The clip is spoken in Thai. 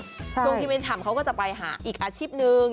พูดถึงที่มันทำเขาก็จะไปหาอีกอาชีพนึง